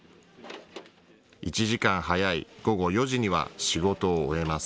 １時間早い午後４時には仕事を終えます。